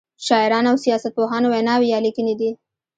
شاعرانو او سیاست پوهانو ویناوی یا لیکنې دي.